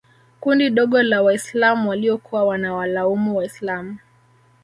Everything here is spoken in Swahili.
kundi dogo la Waislam waliokuwa wanawalaumu Waislam